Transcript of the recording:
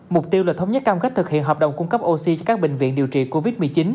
mục tiêu là thống nhất cam kết thực hiện hợp đồng cung cấp oxy cho các bệnh viện điều trị covid một mươi chín